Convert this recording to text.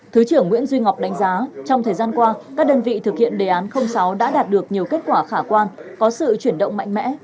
thứ trưởng nguyễn duy ngọc đánh giá trong thời gian qua các đơn vị thực hiện đề án sáu đã đạt được nhiều kết quả khả quan có sự chuyển động mạnh mẽ